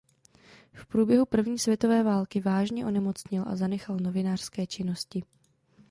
V průběhu první světové války vážně onemocněl a zanechal novinářské činnosti.